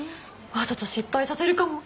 わざと失敗させるかも！